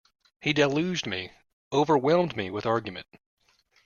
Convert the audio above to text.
He deluged me, overwhelmed me with argument.